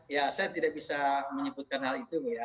ya saya tidak bisa menyebutkan hal itu bu ya